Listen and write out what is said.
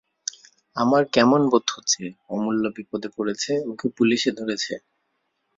আমার কেমন বোধ হচ্ছে, অমূল্য বিপদে পড়েছে, ওকে পুলিসে ধরেছে।